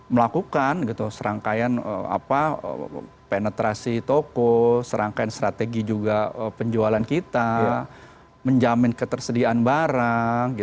melakukan serangkaian penetrasi toko serangkaian strategi juga penjualan kita menjamin ketersediaan barang